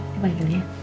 oke panggil ya